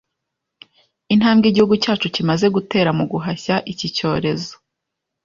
intambwe igihugu cyacu kimaze gutera mu guhashya iki cyorezo,